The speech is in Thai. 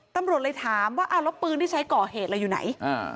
ตำรวจเลยถามว่าอ้าวแล้วปืนที่ใช้ก่อเหตุเราอยู่ไหน